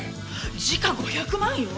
時価５００万よ！